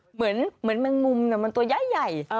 เหมือนแมงมุมมันตัวใหญ่